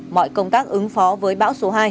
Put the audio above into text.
mọi công tác ứng phó với bão số hai